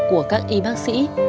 của các y bác sĩ